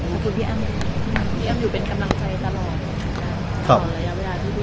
ขอบคุณพี่อ้ำพี่อ้ำอยู่เป็นคำนำใจตลอด